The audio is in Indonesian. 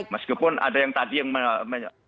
meskipun ada yang tadi yang menyampaikan